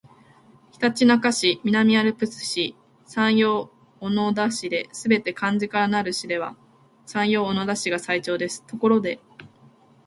ひたちなか市、南アルプス市、山陽小野田市ですべて漢字からなる市では山陽小野田市が最長ですところで